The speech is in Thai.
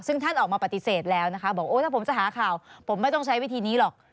ซึ่งท่านออกมาปฏิเสธแล้วนะคะบอกโอ้ถ้าผมจะหาข่าวผมไม่ต้องใช้วิธีนี้หรอก